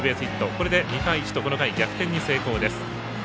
これで３対１とこの回逆転に成功です。